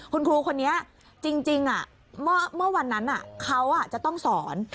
คุณครูคนนี้จริงเมื่อวันนั้นเขาจะต้องสอน